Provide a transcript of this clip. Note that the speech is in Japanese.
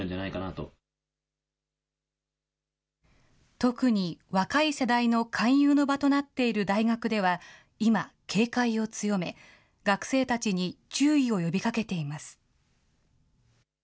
特に若い世代の勧誘の場となっている大学では、今、警戒を強め、学生たちに注意を呼びかけています。